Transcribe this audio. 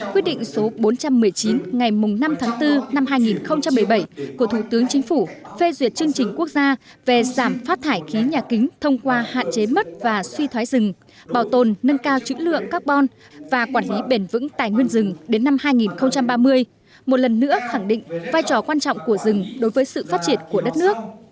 quyết định số bốn trăm một mươi chín ngày năm tháng bốn năm hai nghìn một mươi bảy của thủ tướng chính phủ phê duyệt chương trình quốc gia về giảm phát thải khí nhà kính thông qua hạn chế mất và suy thoái rừng bảo tồn nâng cao chữ lượng các bon và quản lý bền vững tài nguyên rừng đến năm hai nghìn ba mươi một lần nữa khẳng định vai trò quan trọng của rừng đối với sự phát triển của đất nước